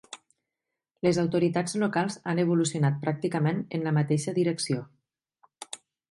Les autoritats locals han evolucionat pràcticament en la mateixa direcció.